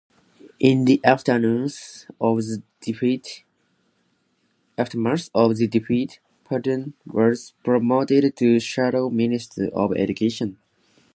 In the aftermath of the defeat, Perton was promoted to Shadow Minister of Education.